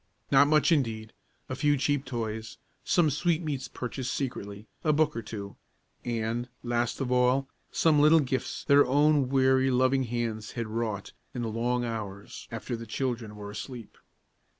Not much, indeed. A few cheap toys, some sweetmeats purchased secretly, a book or two, and, last of all, some little gifts that her own weary, loving hands had wrought in the long hours after the children were asleep.